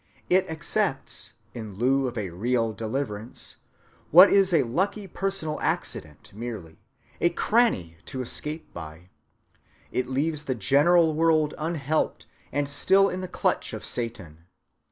It accepts, in lieu of a real deliverance, what is a lucky personal accident merely, a cranny to escape by. It leaves the general world unhelped and still in the clutch of Satan.